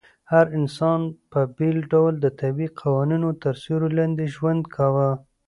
هر انسان په بېل ډول د طبيعي قوانينو تر سيوري لاندي ژوند کاوه